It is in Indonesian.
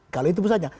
kalau itu pun saja